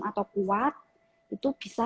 atau kuat itu bisa